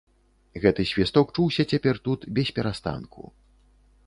Гэты свісток чуўся цяпер тут бесперастанку.